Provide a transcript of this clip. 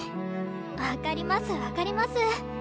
わかりますわかります。